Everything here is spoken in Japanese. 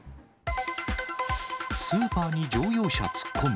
スーパーに乗用車突っ込む。